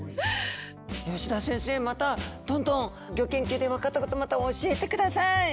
吉田先生またどんどんギョ研究で分かったことまた教えてください！